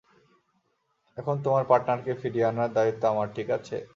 এখন তোমার পার্টনারকে ফিরিয়ে আনার দায়িত্ব আমার, ঠিক আছে?